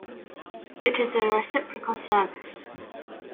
It is a reciprocal service.